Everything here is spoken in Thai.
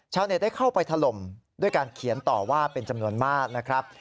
ได้เข้าไปถล่มด้วยการเขียนต่อว่าเป็นจำนวนมากนะครับ